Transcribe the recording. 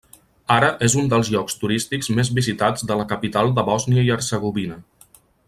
Ara és un dels llocs turístics més visitats de la capital de Bòsnia i Hercegovina.